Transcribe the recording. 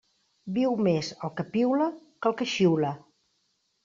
Viu més el que piula que el que xiula.